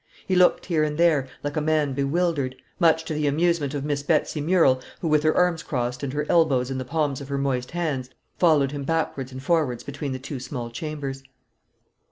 He looked here and there, like a man bewildered; much to the amusement of Miss Betsy Murrel, who, with her arms crossed, and her elbows in the palms of her moist hands, followed him backwards and forwards between the two small chambers.